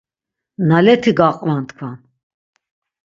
Naleti gaqvan tkvan!